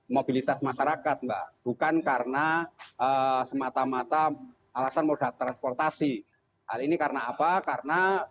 mobilitas masyarakat mbak bukan karena semata mata alasan modal transportasi hal ini karena apa karena